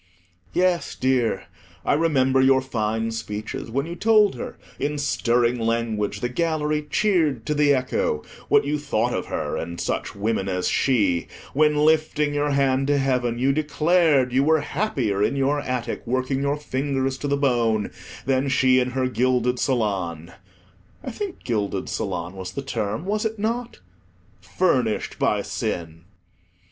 Yes, dear, I remember your fine speeches, when you told her, in stirring language the gallery cheered to the echo, what you thought of her and of such women as she; when, lifting your hand to heaven, you declared you were happier in your attic, working your fingers to the bone, than she in her gilded salon—I think "gilded salon" was the term, was it not?—furnished by sin.